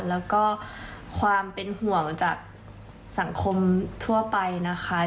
แล้วก็ความเป็นห่วงจากสังคมทั่วไปนะคะ